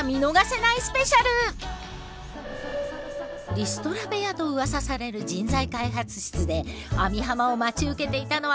リストラ部屋とうわさされる人材開発室で網浜を待ち受けていたのはこの３人。